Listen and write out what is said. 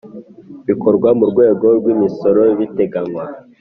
bikorwa mu rwego rw imisoro biteganywa